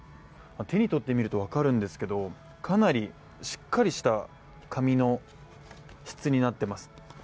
手に取ってみると分かるんですけど、かなりしっかりした紙の質になっています。